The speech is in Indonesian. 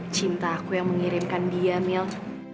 cinta aku yang mengirimkan dia milk